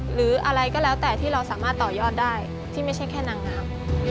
หรืออะไรก็แล้วแต่ที่เราสามารถต่อยอดได้ที่ไม่ใช่แค่นางงาม